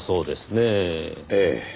ええ。